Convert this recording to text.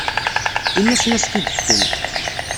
Ini-asen ad as-t-id-fken.